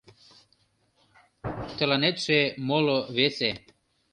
Тыланетше моло-весе